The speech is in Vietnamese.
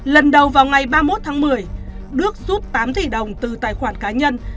lần đầu vào ngày ba mươi một tháng một mươi đức rút tám tỷ đồng từ tài khoản cá nhân